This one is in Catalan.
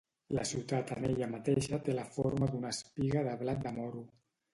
La ciutat en ella mateixa té la forma d'una espiga de blat de moro.